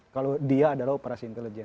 kalau dia adalah operasi intelijen